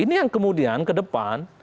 ini yang kemudian kedepan